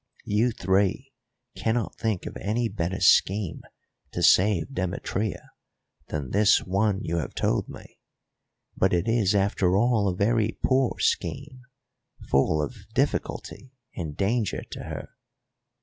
You three cannot think of any better scheme to save Demetria than this one you have told me, but it is after all a very poor scheme, full of difficulty and danger to her.